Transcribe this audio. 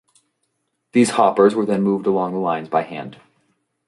These hoppers were then moved along the lines by hand.